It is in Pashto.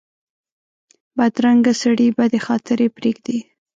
بدرنګه سړي بدې خاطرې پرېږدي